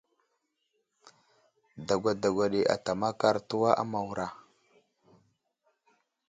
Dagwa dagwa ɗi ata makar təwa a Mawra.